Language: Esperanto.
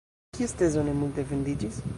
Kies tezo ne multe vendiĝis?